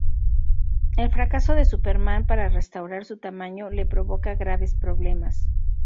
El fracaso de Superman para restaurar su tamaño le provoca graves problemas.